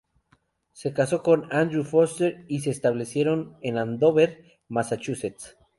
Se casó con Andrew Foster y se establecieron en Andover, Massachusetts.